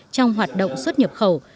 trong hoạt động xuất nhập khẩu